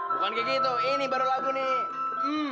bukan kayak gitu ini baru lagu nih